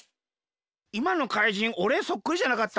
いまの怪人おれそっくりじゃなかった？